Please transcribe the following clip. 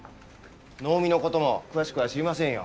能見の事も詳しくは知りませんよ。